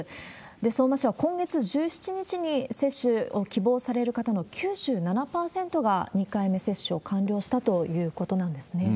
相馬市は今月１７日に接種を希望される方の９７％が２回目接種を完了したということなんですね。